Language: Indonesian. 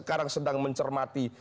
yang sekarang sedang mencermati